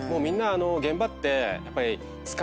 現場ってやっぱり。